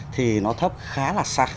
thì nó thấp khá là sắc